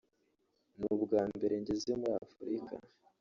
ni ubwa mbere ngeze muri Afurika